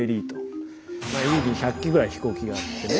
家に１００機ぐらい飛行機があってね。